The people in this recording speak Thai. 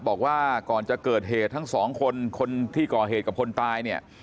บอกว่าก่อนจะเกิดเหตุทั้งสองคนคนที่ก่อเหตุกับคนตายเนี่ย